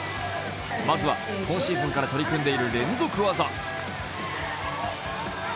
まずは今シーズンから取り組んでいる連続技。